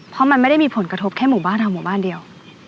เพราะมันไม่ได้มีผลกระทบแค่หมู่บ้านทางหมู่บ้านเดียว